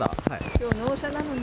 きょう納車なのに。